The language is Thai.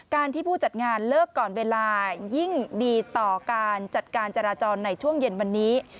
ที่ผู้จัดงานเลิกก่อนเวลายิ่งดีต่อการจัดการจราจรในช่วงเย็นวันนี้